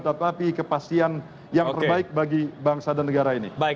tetapi kepastian yang terbaik bagi bangsa dan negara ini